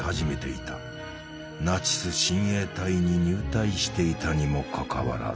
ナチス親衛隊に入隊していたにもかかわらず。